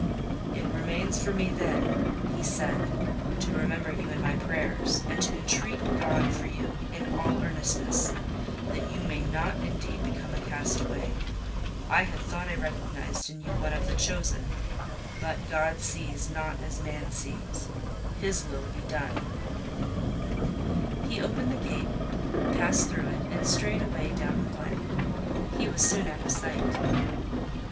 "It remains for me, then," he said, "to remember you in my prayers, and to entreat God for you, in all earnestness, that you may not indeed become a castaway. I had thought I recognised in you one of the chosen. But God sees not as man sees: His will be done—" He opened the gate, passed through it, and strayed away down the glen. He was soon out of sight.